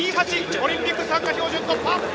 オリンピック参加標準突破！